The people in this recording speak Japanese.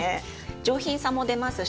上品さも出ますし